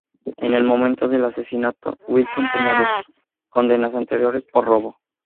En el momento del asesinato, Wilson tenía dos condenas anteriores por robo.